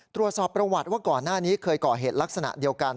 ตรวจสอบประวัติว่าก่อนหน้านี้เคยก่อเหตุลักษณะเดียวกัน